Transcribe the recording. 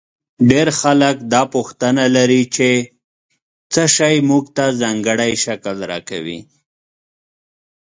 ډېر خلک دا پوښتنه لري چې څه شی موږ ته ځانګړی شکل راکوي.